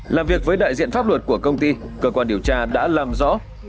làm việc với đại diện pháp luật của công ty cơ quan điều tra đã làm rõ